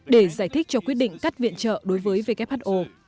để giải thích cho quyết định cắt viện trợ đối với who